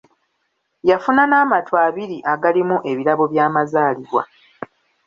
Yafuna n'amatu abiri agalimu ebirabo by'Amazaalibwa .